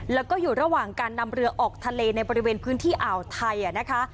แล้วก็อยู่ระหว่างการนำเรือออกทะเลในบริเวณพื้นที่อ่าวไทยนะคะ